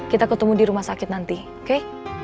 kita ketemu di rumah sakit nanti oke